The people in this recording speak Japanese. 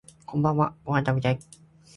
こんばんはご飯食べたい